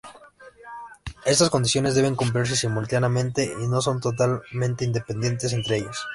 Estas condiciones deben cumplirse simultáneamente y no son totalmente independientes entre ellas.